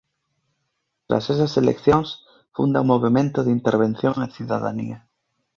Tras esas eleccións funda o Movemento de Intervención e Cidadanía.